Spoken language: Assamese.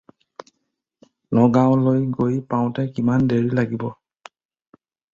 নগাঁওলৈ গৈ পাওঁতে কিমান দেৰি লাগিব?